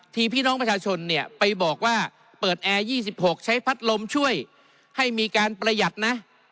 พี่น้องประชาชนเนี่ยไปบอกว่าเปิดแอร์๒๖ใช้พัดลมช่วยให้มีการประหยัดนะ